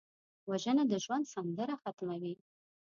وژنه د ژوند سندره ختموي